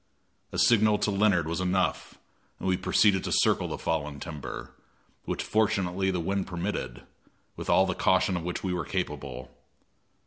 A signal to Leonard was enough, and we proceeded to circle the fallen timber, which fortunately the wind permitted, with all the caution of which we were capable.